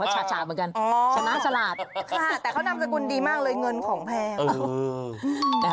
ฉาดเหมือนกันชนะฉลาดค่ะแต่เขานามสกุลดีมากเลยเงินของแพง